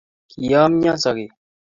Kiyomyo sogek